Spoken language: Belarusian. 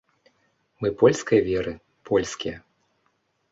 Мы польскай веры, польскія.